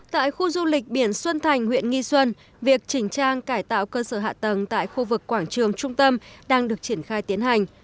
tại khu du lịch biển xuân thành huyện nghi xuân việc chỉnh trang cải tạo cơ sở hạ tầng tại khu vực quảng trường trung tâm đang được triển khai tiến hành